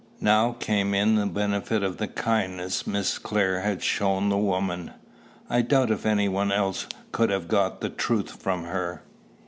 Now came in the benefit of the kindness Miss Clare had shown the woman. I doubt if any one else could have got the truth from her.